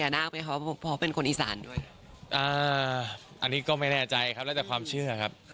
อันนี้ก็ไม่แน่ใจครับแล้วแต่ความเชื่อครับ